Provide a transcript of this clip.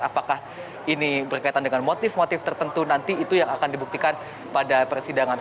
apakah ini berkaitan dengan motif motif tertentu nanti itu yang akan dibuktikan pada persidangan